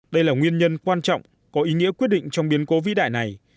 đây là nguyên nhân quan trọng có ý nghĩa quyết định trong biến cố vĩ đại này